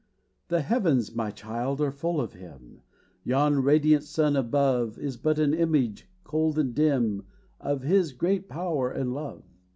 The heavens, my child, are full of him! Yon radiant sun above Is but an image, cold and dim, Of his great power and love.